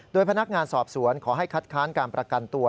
โดยพนักงานสอบสวนขอให้คัดค้านการประกันตัว